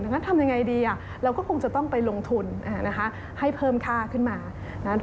งั้นทำยังไงดีเราก็คงจะต้องไปลงทุนให้เพิ่มค่าขึ้นมา